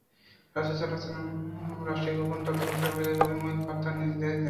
রাসূল সাল্লাল্লাহু আলাইহি ওয়াসাল্লাম রাষ্ট্রীয় গোপন তথ্য পাচারের অভিযোগে ঐ মহিলাকে হত্যার নির্দেশ দেন।